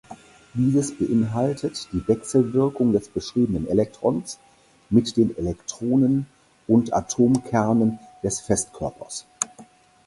Dieses beinhaltet die Wechselwirkung des beschriebenen Elektrons mit den Elektronen und Atomkernen des Festkörpers.